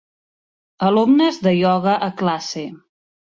Alumnes de ioga a classe.